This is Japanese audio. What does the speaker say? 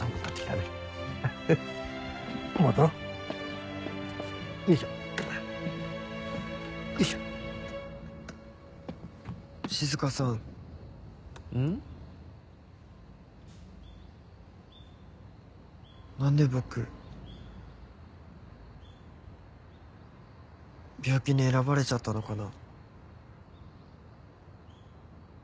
なんで僕病気に選ばれちゃったのかな？